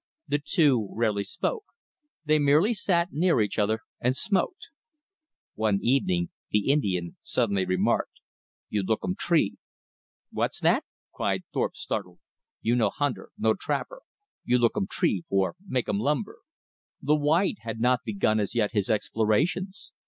The two rarely spoke. They merely sat near each other, and smoked. One evening the Indian suddenly remarked: "You look 'um tree." "What's that?" cried Thorpe, startled. "You no hunter, no trapper. You look 'um tree, for make 'um lumber." The white had not begun as yet his explorations.